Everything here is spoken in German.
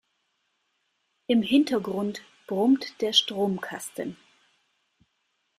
Im Hintergrund brummt der Stromkasten.